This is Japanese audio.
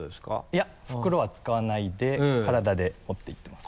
いや袋は使わないで体で持って行ってます。